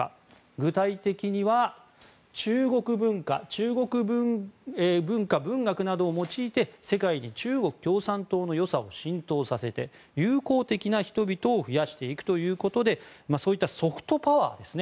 具体的には中国文化・文学などを用いて世界に中国共産党の良さを浸透させて友好的な人々を増やしていくということでそういったソフトパワーですね